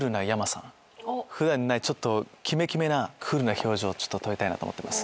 普段にないキメキメなクールな表情を撮りたいなと思ってます。